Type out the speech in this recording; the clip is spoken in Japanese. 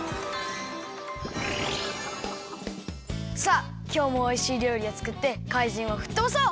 さあきょうもおいしいりょうりをつくってかいじんをふっとばそう！